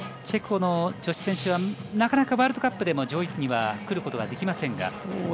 チェコの女子選手はなかなかワールドカップでも上位にはくることができませんが。